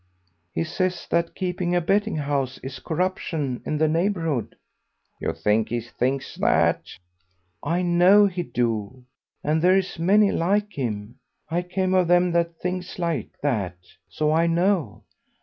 "He says that keeping a betting house is corruption in the neighbourhood." "You think he thinks that?" "I know he do; and there is many like him. I come of them that thinks like that, so I know.